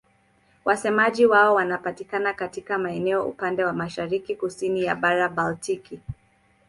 Wasemaji wao wanapatikana katika maeneo upande wa mashariki-kusini ya Bahari Baltiki.